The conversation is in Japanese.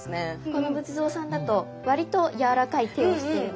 この仏像さんだと割と柔らかい手をしているので。